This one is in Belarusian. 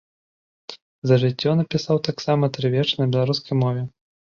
За жыццё напісаў таксама тры вершы на беларускай мове.